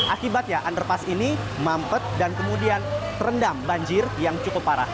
akibatnya underpass ini mampet dan kemudian terendam banjir yang cukup parah